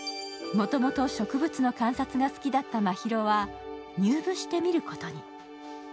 もともと植物の観察が好きだった真宙は入部してみることに。